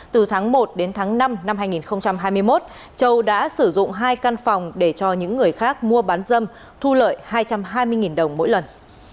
từ tháng một đến tháng năm năm hai nghìn hai mươi một châu đã sử dụng hai căn phòng để cho những người khác mua bán dâm thu lợi hai trăm hai mươi đồng mỗi lần